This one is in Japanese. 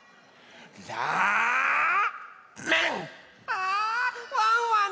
あワンワン